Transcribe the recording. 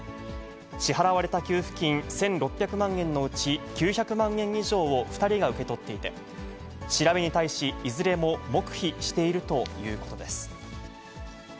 支払われた給付金１６００万円のうち、９００万円以上を２人が受け取っていて、調べに対し、いずれも黙秘しているということです。